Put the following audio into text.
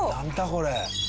これ。